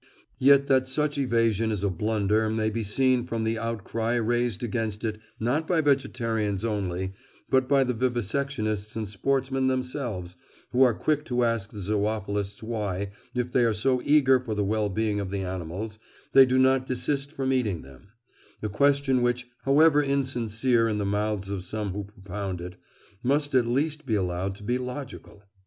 Yet that such evasion is a blunder may be seen from the outcry raised against it not by vegetarians only, but by the vivisectionists and sportsmen themselves, who are quick to ask the zoophilists why, if they are so eager for the well being of the animals, they do not desist from eating them—a question which, however insincere in the mouths of some who propound it, must at least be allowed to be logical.